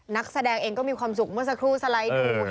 นักแสดงเองก็มีความสุขเมื่อสักครู่สไลด์ดู